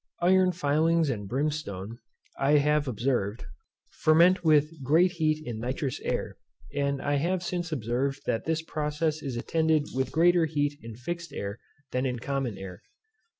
Iron filings and brimstone, I have observed, ferment with great heat in nitrous air, and I have since observed that this process is attended with greater heat in fixed air than in common air.